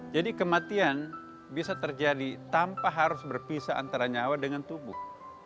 jadi kematian bisa terjadi tanpa harus berpisah antara nyawa dengan tubuh